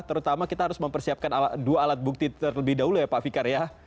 terutama kita harus mempersiapkan dua alat bukti terlebih dahulu ya pak fikar ya